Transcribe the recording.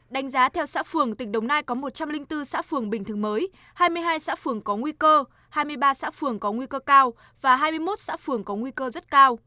đánh giá theo xã phường tỉnh đồng nai có một trăm linh bốn xã phường bình thường mới hai mươi hai xã phường có nguy cơ hai mươi ba xã phường có nguy cơ cao và hai mươi một xã phường có nguy cơ rất cao